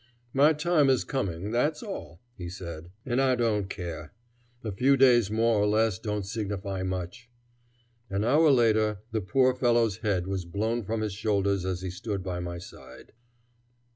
"My time is coming, that's all," he said; "and I don't care. A few days more or less don't signify much." An hour later the poor fellow's head was blown from his shoulders as he stood by my side.